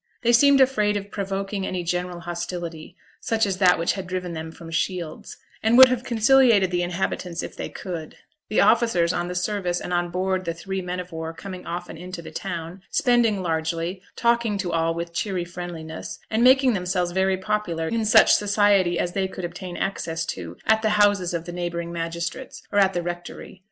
They seemed afraid of provoking any general hostility, such as that which had driven them from Shields, and would have conciliated the inhabitants if they could; the officers on the service and on board the three men of war coming often into the town, spending largely, talking to all with cheery friendliness, and making themselves very popular in such society as they could obtain access to at the houses of the neighbouring magistrates or at the rectory.